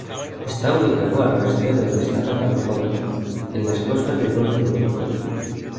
Está ubicado al oeste del Estado Falcón en las costas del Golfo de Venezuela.